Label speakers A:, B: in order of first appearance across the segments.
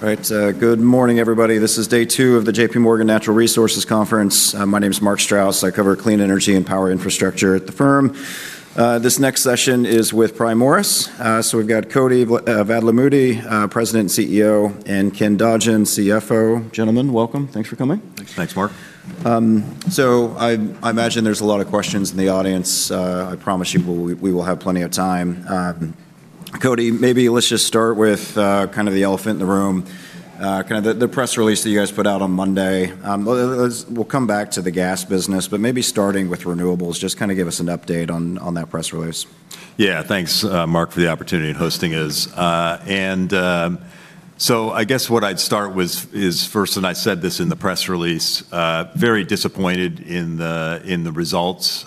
A: Good morning, everybody. This is day two of the J.P. Morgan Natural Resources Conference. My name's Mark Strouse. I cover clean energy and power infrastructure at the firm. This next session is with Primoris. We've got Koti Vadlamudi, President and CEO, and Ken Dodgen, CFO. Gentlemen, welcome. Thanks for coming.
B: Thanks.
C: Thanks, Mark.
A: I imagine there's a lot of questions in the audience. I promise you we will have plenty of time. Koti, maybe let's just start with kind of the elephant in the room, the press release that you guys put out on Monday. We'll come back to the gas business, but maybe starting with renewables, just kind of give us an update on that press release.
B: Yeah. Thanks, Mark, for the opportunity in hosting this. I guess what I'd start with is first, and I said this in the press release, very disappointed in the results,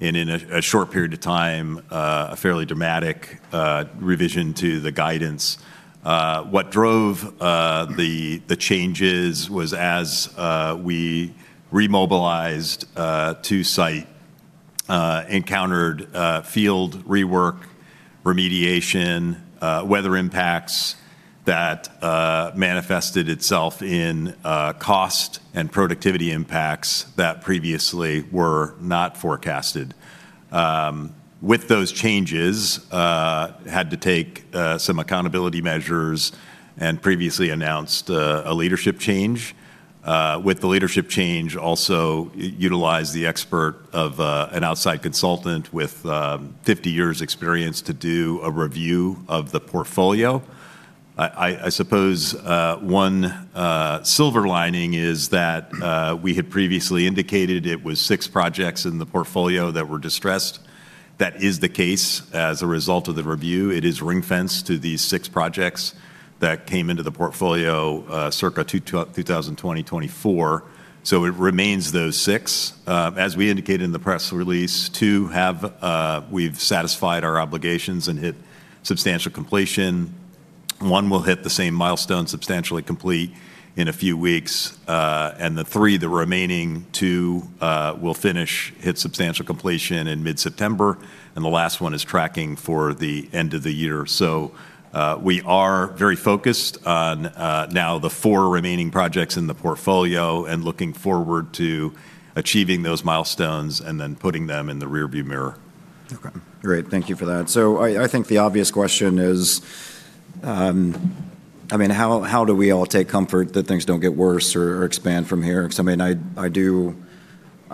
B: and in a short period of time, a fairly dramatic revision to the guidance. What drove the changes was as we remobilized to site, encountered field rework, remediation, weather impacts that manifested itself in cost and productivity impacts that previously were not forecasted. With those changes, had to take some accountability measures and previously announced a leadership change. With the leadership change, also utilized the expert of an outside consultant with 50 years experience to do a review of the portfolio. I suppose one silver lining is that we had previously indicated it was six projects in the portfolio that were distressed. That is the case as a result of the review. It is ring-fence to these six projects that came into the portfolio circa 2020, 2024. It remains those six. As we indicated in the press release, two we've satisfied our obligations and hit substantial completion. One will hit the same milestone, substantially complete, in a few weeks. The three, the remaining two will finish, hit substantial completion in mid-September, and the last one is tracking for the end of the year. We are very focused on now the four remaining projects in the portfolio and looking forward to achieving those milestones and then putting them in the rear view mirror.
A: Okay. Great. Thank you for that. I think the obvious question is, how do we all take comfort that things don't get worse or expand from here? I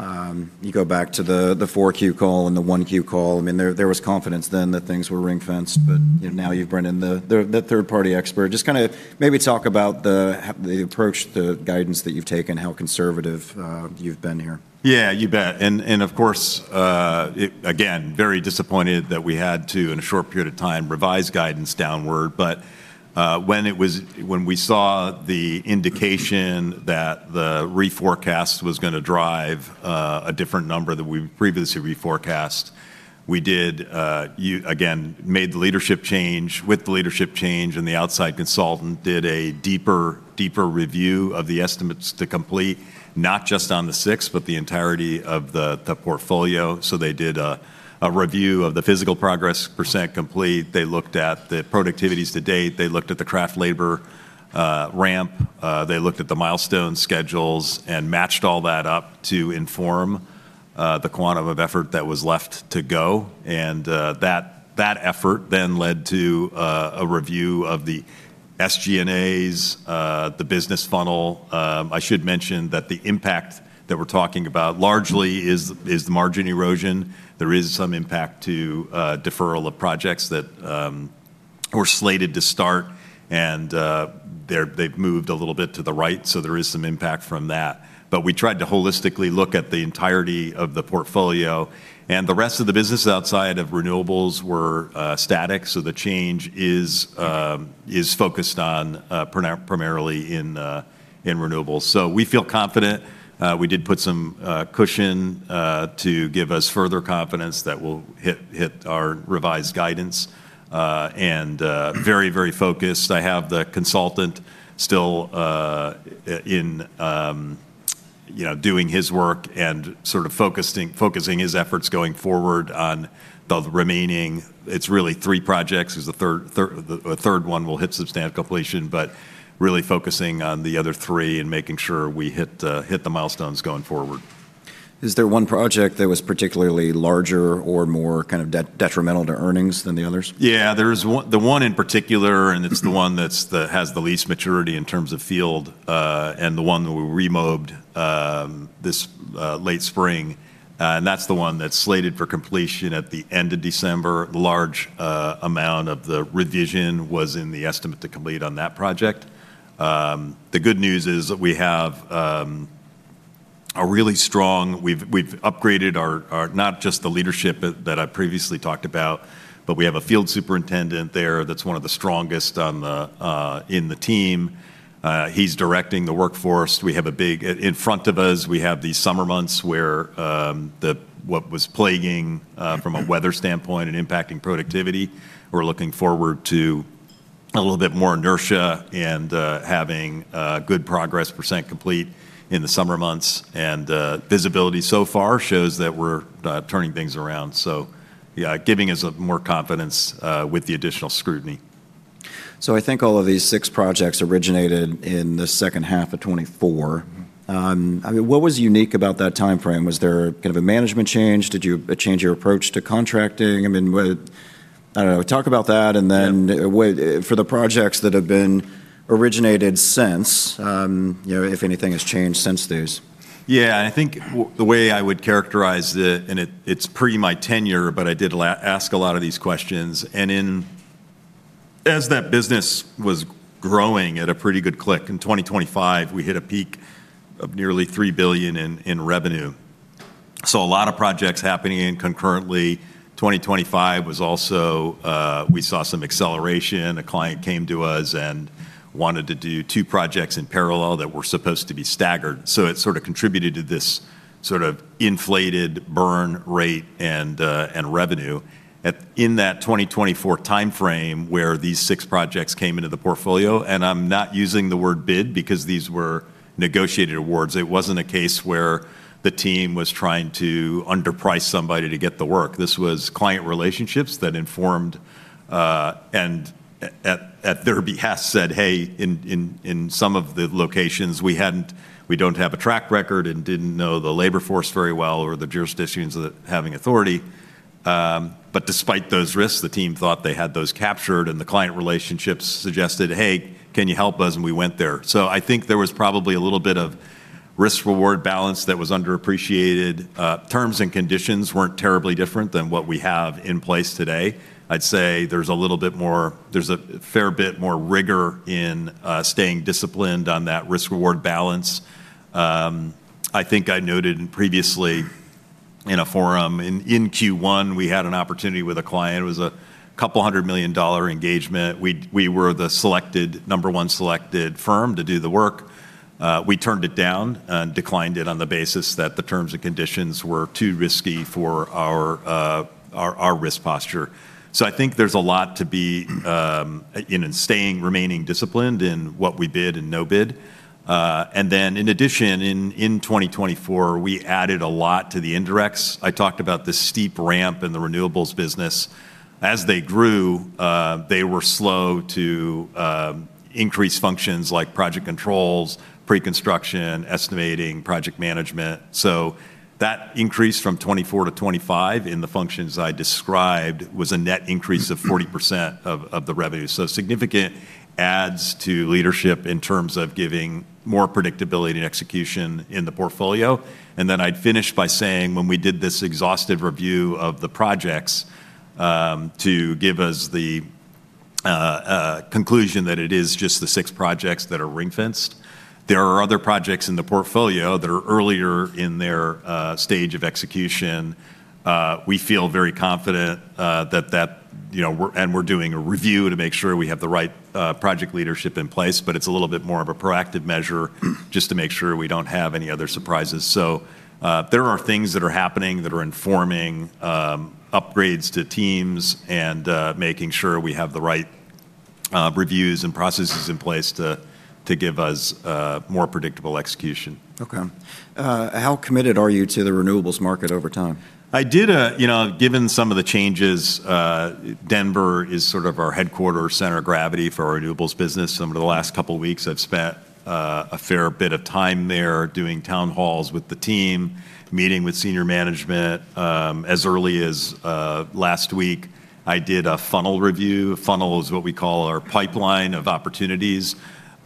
A: mean, you go back to the 4Q call and the 1Q call, there was confidence then that things were ring-fenced. Now you've brought in the third-party expert. Just kind of maybe talk about the approach, the guidance that you've taken, how conservative you've been here.
B: Yeah, you bet. Of course, again, very disappointed that we had to, in a short period of time, revise guidance downward. When we saw the indication that the reforecast was going to drive a different number than we previously reforecast, we did, again, made the leadership change. With the leadership change and the outside consultant did a deeper review of the estimates to complete, not just on the six, but the entirety of the portfolio. They did a review of the physical progress percent complete. They looked at the productivities to date. They looked at the craft labor ramp. They looked at the milestone schedules and matched all that up to inform the quantum of effort that was left to go. That effort then led to a review of the SG&As, the business funnel. I should mention that the impact that we're talking about largely is the margin erosion. There is some impact to deferral of projects that were slated to start, and they've moved a little bit to the right, so there is some impact from that. We tried to holistically look at the entirety of the portfolio, and the rest of the business outside of renewables were static. The change is focused on primarily in renewables. We feel confident. We did put some cushion to give us further confidence that we'll hit our revised guidance. Very focused. I have the consultant still doing his work and sort of focusing his efforts going forward on the remaining, it's really three projects, because the third one will hit substantial completion. Really focusing on the other three and making sure we hit the milestones going forward.
A: Is there one project that was particularly larger or more kind of detrimental to earnings than the others?
B: Yeah. There is the one in particular. And it's the one that has the least maturity in terms of field, and the one that we removed this late spring. And that's the one that's slated for completion at the end of December. The large amount of the revision was in the estimate to complete on that project. The good news is that we have a really strong. We've upgraded not just the leadership that I previously talked about, but we have a field superintendent there that's one of the strongest in the team. He's directing the workforce. In front of us, we have these summer months where what was plaguing, from a weather standpoint and impacting productivity, we're looking forward to a little bit more inertia and having good progress percent complete in the summer months. And visibility so far shows that we're turning things around. Yeah, giving us more confidence with the additional scrutiny.
A: I think all of these six projects originated in the second half of 2024. What was unique about that timeframe? Was there kind of a management change? Did you change your approach to contracting? I don't know. Talk about that, and then for the projects that have been originated since, if anything has changed since these.
B: Yeah. I think the way I would characterize it. It's pre my tenure, but I did ask a lot of these questions. As that business was growing at a pretty good clip, in 2025, we hit a peak of nearly $3 billion in revenue. A lot of projects happening concurrently. 2025, we saw some acceleration. A client came to us and wanted to do two projects in parallel that were supposed to be staggered, so it sort of contributed to this sort of inflated burn rate and revenue. In that 2024 timeframe where these six projects came into the portfolio, and I'm not using the word bid because these were negotiated awards. It wasn't a case where the team was trying to underprice somebody to get the work. This was client relationships that informed, and at their behest said, "Hey," in some of the locations we don't have a track record and didn't know the labor force very well or the jurisdictions having authority. Despite those risks, the team thought they had those captured, and the client relationships suggested, "Hey, can you help us?" We went there. I think there was probably a little bit of risk-reward balance that was underappreciated. Terms and conditions weren't terribly different than what we have in place today. I'd say there's a fair bit more rigor in staying disciplined on that risk-reward balance. I think I noted previously in a forum, in Q1, we had an opportunity with a client. It was a couple hundred million dollar engagement. We were the number one selected firm to do the work. We turned it down, declined it on the basis that the terms and conditions were too risky for our risk posture. I think there's a lot to be in staying remaining disciplined in what we bid and no bid. In addition, in 2024, we added a lot to the indirects. I talked about the steep ramp in the renewables business. As they grew, they were slow to increase functions like project controls, pre-construction, estimating, project management. That increase from 2024 to 2025 in the functions I described was a net increase of 40% of the revenue. Significant adds to leadership in terms of giving more predictability and execution in the portfolio. I'd finish by saying, when we did this exhaustive review of the projects, to give us the conclusion that it is just the six projects that are ring-fenced. There are other projects in the portfolio that are earlier in their stage of execution. We feel very confident and we're doing a review to make sure we have the right project leadership in place, but it's a little bit more of a proactive measure just to make sure we don't have any other surprises. There are things that are happening that are informing upgrades to teams and making sure we have the right reviews and processes in place to give us more predictable execution.
A: How committed are you to the renewables market over time?
B: Given some of the changes, Denver is sort of our headquarter center of gravity for our renewables business. Over the last couple of weeks, I've spent a fair bit of time there doing town halls with the team, meeting with senior management. As early as last week, I did a funnel review. A funnel is what we call our pipeline of opportunities.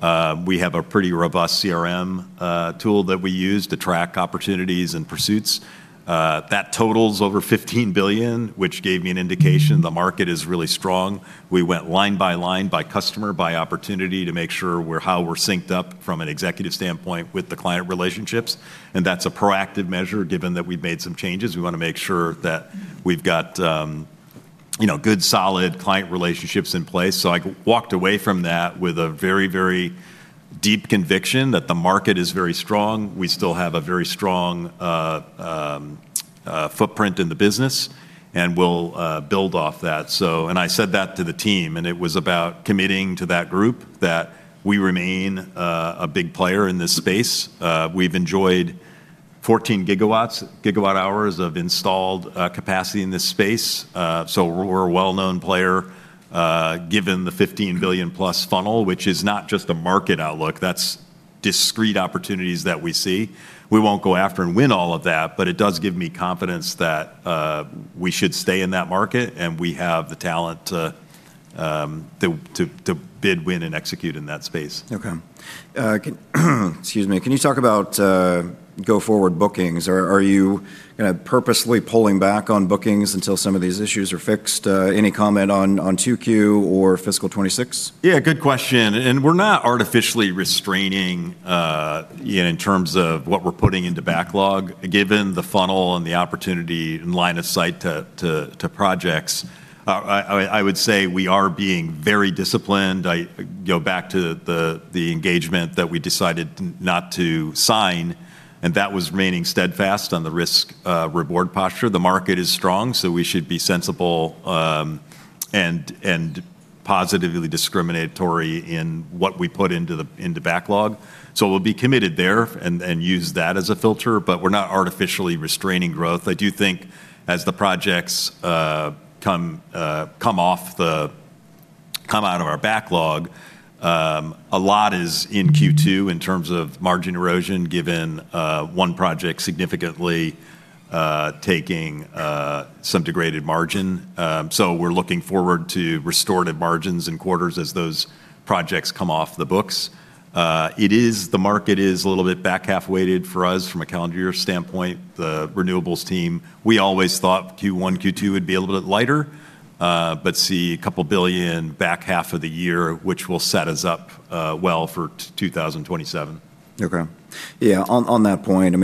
B: We have a pretty robust CRM tool that we use to track opportunities and pursuits. That totals over $15 billion, which gave me an indication the market is really strong. We went line by line, by customer, by opportunity to make sure how we're synced up from an executive standpoint with the client relationships. That's a proactive measure given that we've made some changes. We want to make sure that we've got good, solid client relationships in place. I walked away from that with a very deep conviction that the market is very strong. We still have a very strong footprint in the business. We'll build off that. I said that to the team. It was about committing to that group that we remain a big player in this space. We've enjoyed 14 GWh of installed capacity in this space. We're a well-known player given the $15+ billion funnel, which is not just a market outlook. That's discrete opportunities that we see. We won't go after and win all of that. It does give me confidence that we should stay in that market and we have the talent to bid, win, and execute in that space.
A: Excuse me. Can you talk about go forward bookings? Are you purposely pulling back on bookings until some of these issues are fixed? Any comment on 2Q or fiscal 2026?
B: Yeah, good question. We're not artificially restraining in terms of what we're putting into backlog, given the funnel and the opportunity and line of sight to projects. I would say we are being very disciplined. I go back to the engagement that we decided not to sign, and that was remaining steadfast on the risk-reward posture. The market is strong, we should be sensible and positively discriminatory in what we put into backlog. We'll be committed there and use that as a filter, but we're not artificially restraining growth. I do think as the projects come out of our backlog. A lot is in Q2 in terms of margin erosion, given one project significantly taking some degraded margin. We're looking forward to restorative margins in quarters as those projects come off the books. The market is a little bit back-half weighted for us from a calendar year standpoint. The renewables team, we always thought Q1, Q2 would be a little bit lighter, but see a couple billion back half of the year, which will set us up well for 2027.
A: Okay. Yeah. On that point,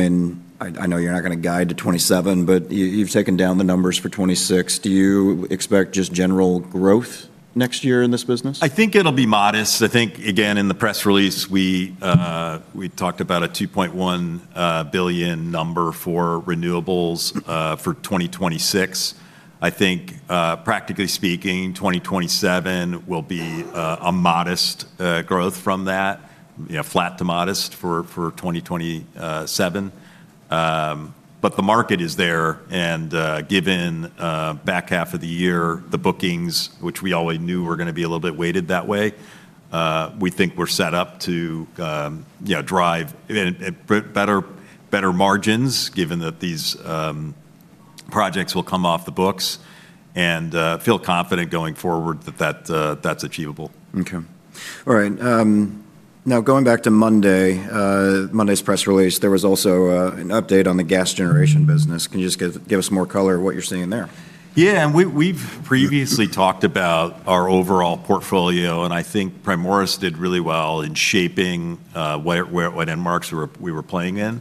A: I know you're not going to guide to 2027, but you've taken down the numbers for 2026. Do you expect just general growth next year in this business?
B: I think it'll be modest. I think, again, in the press release, we talked about a $2.1 billion number for renewables for 2026. I think practically speaking, 2027 will be a modest growth from that. Flat to modest for 2027. The market is there, and given back half of the year, the bookings, which we always knew were going to be a little bit weighted that way, we think we're set up to drive better margins given that these projects will come off the books, and feel confident going forward that that's achievable.
A: Okay. All right. Going back to Monday's press release, there was also an update on the gas generation business. Can you just give us more color on what you're seeing there?
B: Yeah. We've previously talked about our overall portfolio, and I think Primoris did really well in shaping what end markets we were playing in.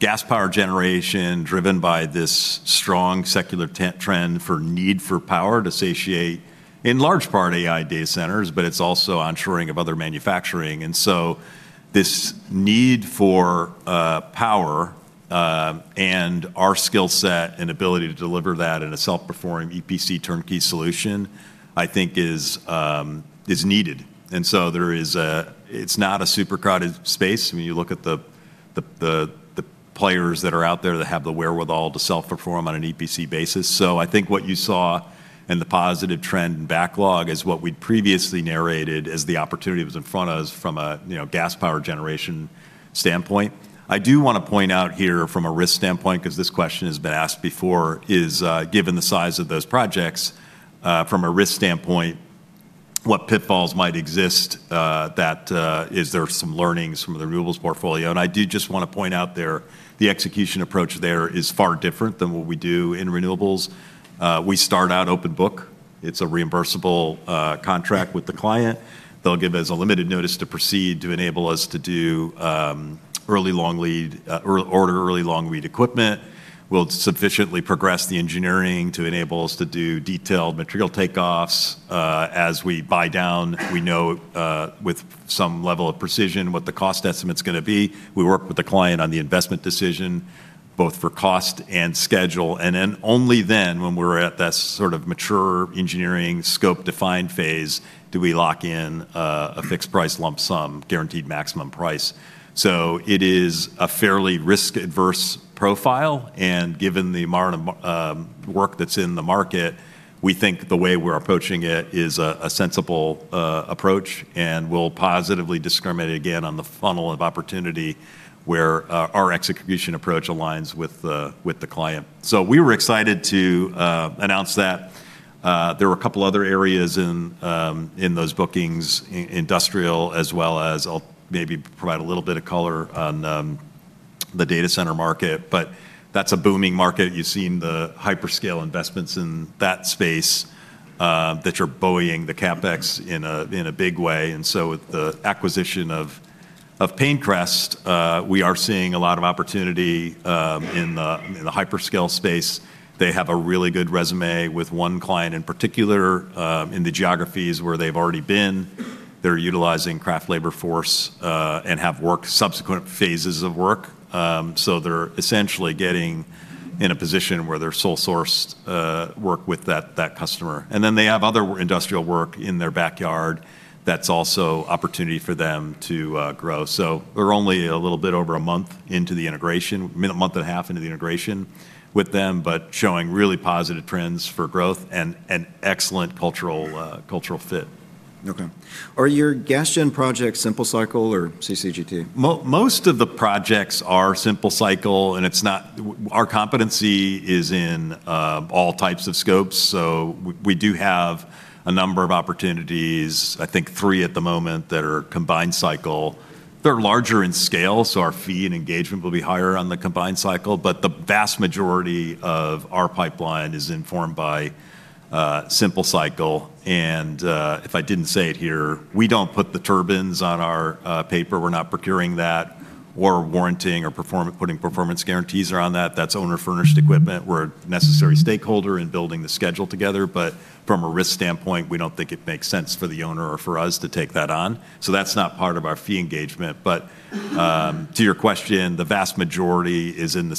B: Gas power generation, driven by this strong secular trend for need for power to satiate, in large part, AI data centers, but it's also on shoring of other manufacturing. This need for power and our skill set and ability to deliver that in a self-performing EPC turnkey solution, I think is needed. It's not a super crowded space when you look at the players that are out there that have the wherewithal to self-perform on an EPC basis. I think what you saw in the positive trend in backlog is what we'd previously narrated as the opportunity was in front of us from a gas power generation standpoint. I do want to point out here from a risk standpoint, because this question has been asked before, is given the size of those projects, from a risk standpoint, what pitfalls might exist? Is there some learnings from the renewables portfolio? I do just want to point out there, the execution approach there is far different than what we do in renewables. We start out open book. It's a reimbursable contract with the client. They'll give us a limited notice to proceed to enable us to order early long lead equipment. We'll sufficiently progress the engineering to enable us to do detailed material takeoffs. As we buy down, we know with some level of precision what the cost estimate's going to be. We work with the client on the investment decision, both for cost and schedule. Only then when we're at that sort of mature engineering scope-defined phase, do we lock in a fixed price lump sum, guaranteed maximum price. It is a fairly risk-averse profile, and given the amount of work that's in the market, we think the way we're approaching it is a sensible approach and will positively discriminate, again, on the funnel of opportunity where our execution approach aligns with the client. We were excited to announce that. There were a couple other areas in those bookings, industrial as well as I'll maybe provide a little bit of color on the data center market. That's a booming market. You've seen the hyperscale investments in that space that you're buoying the CapEx in a big way. With the acquisition of PayneCrest, we are seeing a lot of opportunity in the hyperscale space. They have a really good resume with one client in particular in the geographies where they've already been. They're utilizing craft labor force, and have subsequent phases of work. They're essentially getting in a position where they're sole sourced work with that customer. They have other industrial work in their backyard that's also opportunity for them to grow. We're only a little bit over a month into the integration, a month and a half into the integration with them, but showing really positive trends for growth and an excellent cultural fit.
A: Okay. Are your gas gen projects simple cycle or CCGT?
B: Most of the projects are simple cycle, and our competency is in all types of scopes. We do have a number of opportunities, I think three at the moment, that are combined cycle. They're larger in scale, our fee and engagement will be higher on the combined cycle. The vast majority of our pipeline is informed by simple cycle. If I didn't say it here, we don't put the turbines on our paper. We're not procuring that or warranting or putting performance guarantees around that. That's owner-furnished equipment. We're a necessary stakeholder in building the schedule together. From a risk standpoint, we don't think it makes sense for the owner or for us to take that on. That's not part of our fee engagement. To your question, the vast majority is in the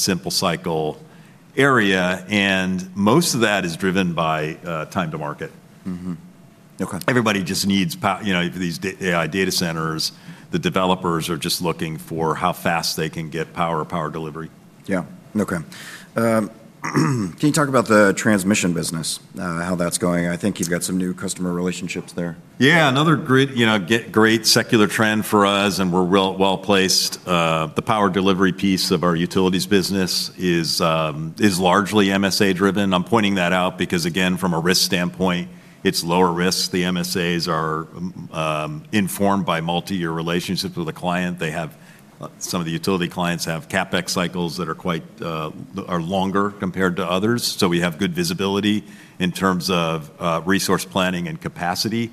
B: simple cycle area. Most of that is driven by time to market.
A: Okay.
B: Everybody just needs these AI data centers. The developers are just looking for how fast they can get power delivery.
A: Yeah. Okay. Can you talk about the transmission business, how that's going? I think you've got some new customer relationships there.
B: Yeah. Another great secular trend for us. We're well-placed. The power delivery piece of our utilities business is largely MSA driven. I'm pointing that out because, again, from a risk standpoint, it's lower risk. The MSAs are informed by multi-year relationships with the client. Some of the utility clients have CapEx cycles that are longer compared to others, so we have good visibility in terms of resource planning and capacity.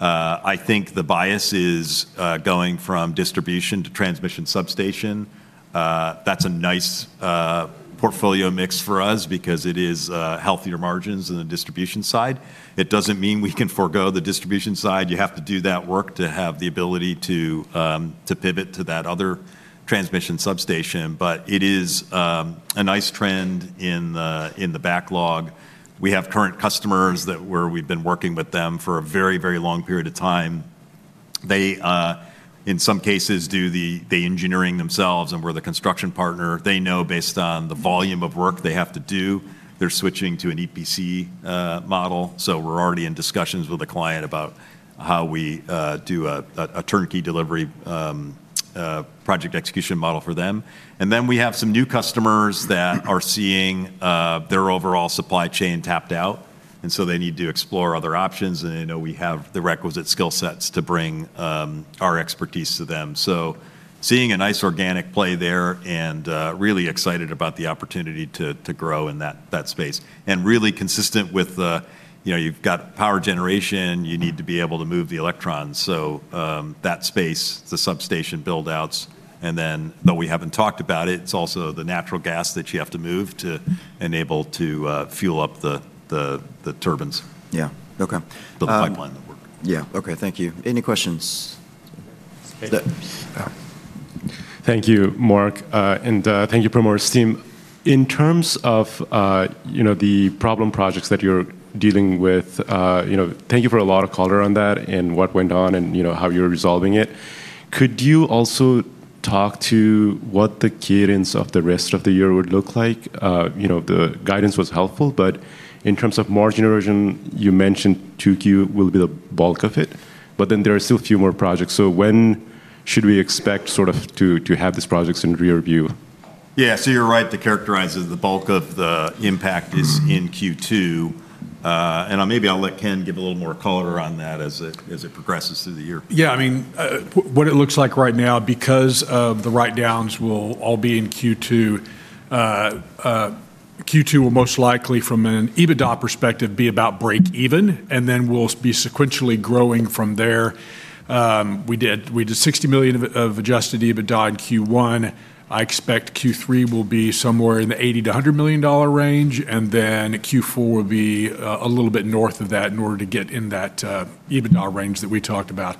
B: I think the bias is going from distribution to transmission substation. That's a nice portfolio mix for us because it is healthier margins in the distribution side. It doesn't mean we can forgo the distribution side. You have to do that work to have the ability to pivot to that other transmission substation. It is a nice trend in the backlog. We have current customers where we've been working with them for a very long period of time. They, in some cases, do the engineering themselves and we're the construction partner. They know based on the volume of work they have to do, they're switching to an EPC model. We're already in discussions with the client about how we do a turnkey delivery project execution model for them. We have some new customers that are seeing their overall supply chain tapped out, they need to explore other options, and they know we have the requisite skill sets to bring our expertise to them. Seeing a nice organic play there and really excited about the opportunity to grow in that space. Really consistent with, you've got power generation, you need to be able to move the electrons. That space, the substation build-outs, though we haven't talked about it's also the natural gas that you have to move to enable to fuel up the turbines.
A: Yeah. Okay.
B: The pipeline that we're-
A: Yeah. Okay. Thank you. Any questions?
D: Thank you, Mark, and thank you, Primoris team. In terms of the problem projects that you're dealing with, thank you for a lot of color on that and what went on and how you're resolving it. Could you also talk to what the guidance of the rest of the year would look like? The guidance was helpful, but in terms of margin erosion, you mentioned 2Q will be the bulk of it, but then there are still a few more projects. When should we expect to have these projects in rear view?
B: Yeah. You're right to characterize that the bulk of the impact is in Q2. Maybe I'll let Ken give a little more color on that as it progresses through the year.
C: Yeah. What it looks like right now, because of the write-downs will all be in Q2 will most likely, from an EBITDA perspective, be about break-even, and then we'll be sequentially growing from there. We did $60 million of adjusted EBITDA in Q1. I expect Q3 will be somewhere in the $80 million-$100 million range, and then Q4 will be a little bit north of that in order to get in that EBITDA range that we talked about.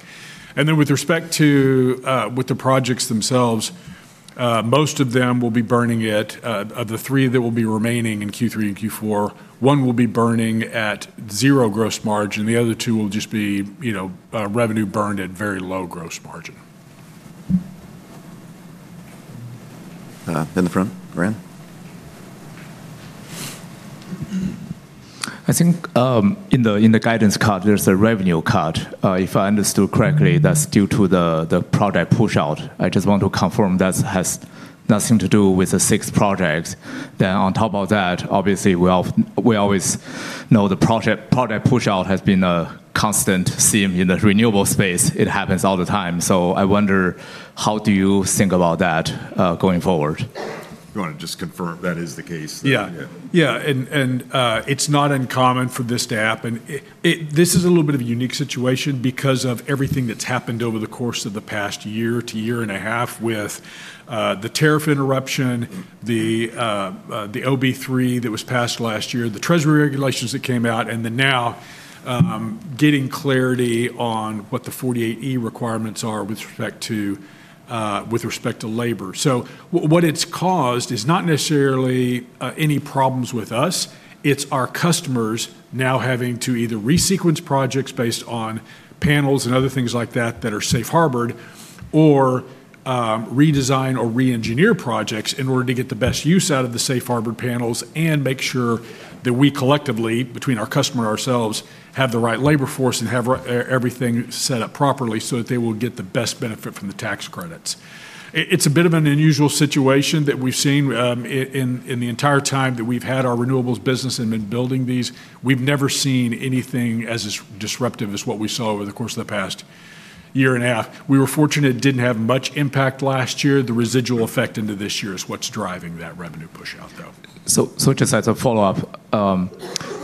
C: With respect to the projects themselves, most of them will be burning it. Of the three that will be remaining in Q3 and Q4, one will be burning at zero gross margin, and the other two will just be revenue burned at very low gross margin.
A: In the front, Brian.
E: I think in the guidance card, there's a revenue card. If I understood correctly, that's due to the project push-out. I just want to confirm that has nothing to do with the six projects. On top of that, obviously, we always know the project push-out has been a constant theme in the renewable space. It happens all the time. I wonder, how do you think about that going forward?
B: You want to just confirm if that is the case?
C: Yeah. It's not uncommon for this to happen. This is a little bit of a unique situation because of everything that's happened over the course of the past year to year and a half with the tariff interruption, the OB3 that was passed last year, the Treasury regulations that came out, now getting clarity on what the 48E requirements are with respect to labor. What it's caused is not necessarily any problems with us. It's our customers now having to either resequence projects based on panels and other things like that that are safe harbored, or redesign or re-engineer projects in order to get the best use out of the safe harbor panels and make sure that we collectively, between our customer and ourselves, have the right labor force and have everything set up properly so that they will get the best benefit from the tax credits. It's a bit of an unusual situation that we've seen in the entire time that we've had our renewables business and been building these. We've never seen anything as disruptive as what we saw over the course of the past year and a half. We were fortunate it didn't have much impact last year. The residual effect into this year is what's driving that revenue push-out, though.
E: Just as a follow-up.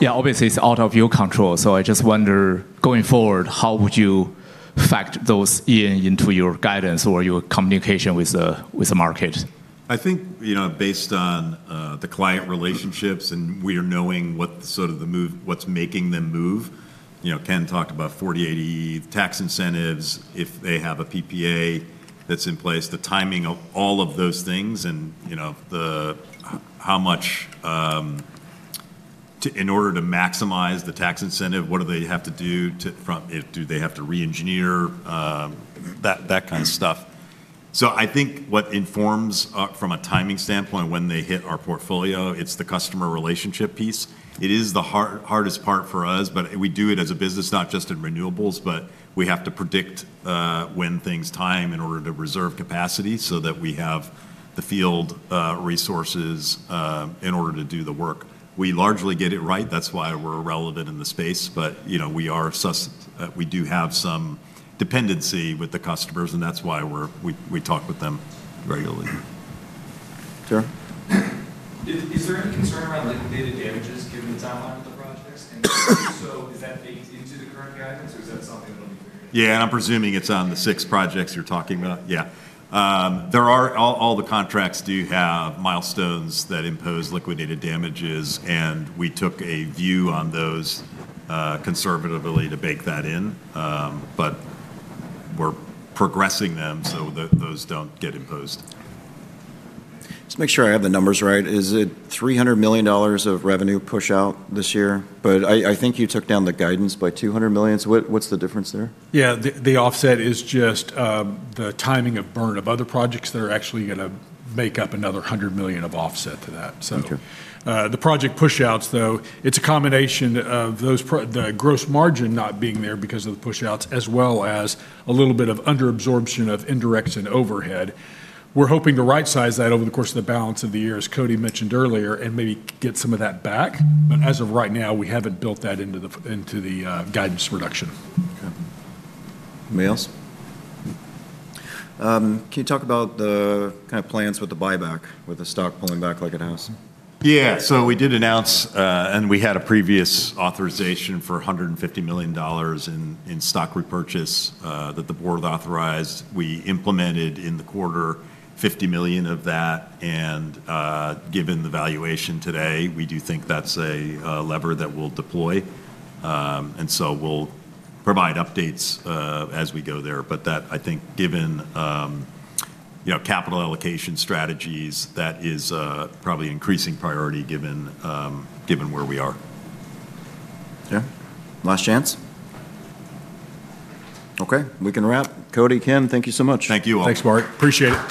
E: Yeah, obviously, it's out of your control, I just wonder, going forward, how would you factor those in into your guidance or your communication with the market?
B: I think based on the client relationships and we're knowing what's making them move. Ken talked about 48E tax incentives. If they have a PPA that's in place, the timing of all of those things. In order to maximize the tax incentive, what do they have to do? Do they have to re-engineer? That kind of stuff. I think what informs from a timing standpoint when they hit our portfolio, it's the customer relationship piece. It is the hardest part for us, but we do it as a business, not just in renewables, but we have to predict when things time in order to reserve capacity so that we have the field resources in order to do the work. We largely get it right. That's why we're relevant in the space. We do have some dependency with the customers, and that's why we talk with them regularly.
A: John?
F: Is there any concern around liquidated damages given the timeline of the projects? If so, is that baked into the current guidance, or is that something that'll be clear?
B: Yeah. I'm presuming it's on the six projects you're talking about. Yeah. All the contracts do have milestones that impose liquidated damages, we took a view on those conservatively to bake that in. We're progressing them so those don't get imposed.
A: Just make sure I have the numbers right. Is it $300 million of revenue push-out this year? I think you took down the guidance by $200 million. What's the difference there?
C: Yeah. The offset is just the timing of burn of other projects that are actually going to make up another $100 million of offset to that.
A: Okay.
C: The project push-outs, though, it's a combination of the gross margin not being there because of the push-outs, as well as a little bit of under-absorption of indirect and overhead. We're hoping to right-size that over the course of the balance of the year, as Koti mentioned earlier, and maybe get some of that back. As of right now, we haven't built that into the guidance reduction.
A: Okay. Anybody else? Can you talk about the plans with the buyback, with the stock pulling back like it has?
B: Yeah. We did announce, and we had a previous authorization for $150 million in stock repurchase that the board authorized. We implemented in the quarter $50 million of that. Given the valuation today, we do think that's a lever that we'll deploy. We'll provide updates as we go there. That I think given capital allocation strategies, that is probably increasing priority given where we are.
A: Yeah. Last chance. Okay, we can wrap. Koti, Ken, thank you so much.
B: Thank you all.
C: Thanks, Mark. Appreciate it.